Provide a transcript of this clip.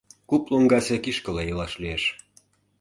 Куп лоҥгасе кишкыла илаш лиеш…